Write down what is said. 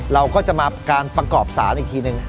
เราก็จะมาการประกอบสารอีกทีนึง